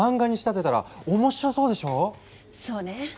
そうね。